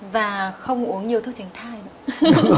và không uống nhiều thuốc tránh thai